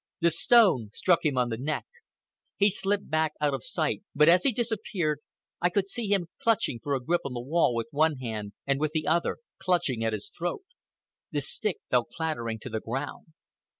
The stone struck him on the neck. He slipped back out of sight, but as he disappeared I could see him clutching for a grip on the wall with one hand, and with the other clutching at his throat. The stick fell clattering to the ground.